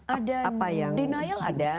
ada denial ada